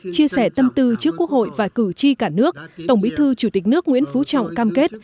chia sẻ tâm tư trước quốc hội và cử tri cả nước tổng bí thư chủ tịch nước nguyễn phú trọng cam kết